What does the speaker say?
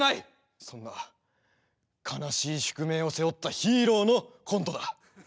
そんな悲しい宿命を背負ったヒーローのコントだ！